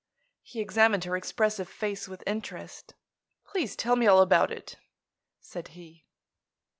He examined her expressive face with interest. "Please tell me all about it," said he.